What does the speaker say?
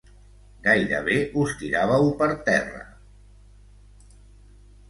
Gairebé us tiràveu per terra.